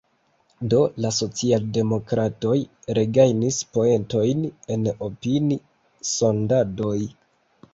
Do la socialdemokratoj regajnis poentojn en opini-sondadoj.